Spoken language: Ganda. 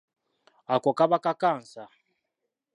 Ako kaba kakansa.